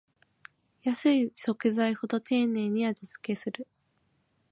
安い食材ほど丁寧に味つけする